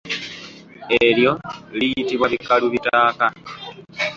Eryo liyitibwa bikalubitaaka.